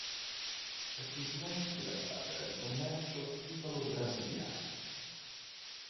È Presidente della Camera di Commercio Italo-Brasiliana.